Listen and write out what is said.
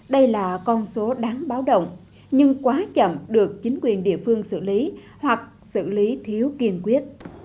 đây là con số đáng báo động nhưng quá chậm được chính quyền địa phương xử lý hoặc xử lý thiếu kiên quyết